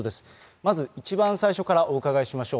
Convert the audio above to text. まず一番最初からお伺いしましょう。